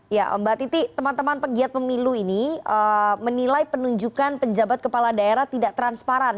ya mbak titi teman teman pegiat pemilu ini menilai penunjukan penjabat kepala daerah tidak transparan